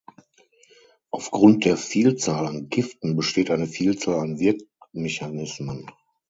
Aufgrund der Vielzahl an Giften besteht eine Vielzahl an Wirkmechanismen.